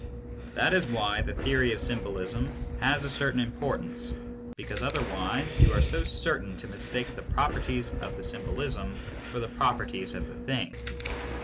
That is why the theory of symbolism has a certain im portance, because otherwise you are so certain to mistake the properties of the symbolism for the properties of the thing.